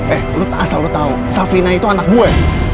eh lo asal lo tau safina itu anak gue